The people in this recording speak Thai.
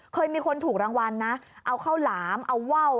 เคยมีคนถูกรางวัลนะเอาข้าวหลามเอาว่าว